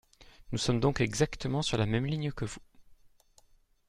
Nous sommes donc exactement sur la même ligne que vous.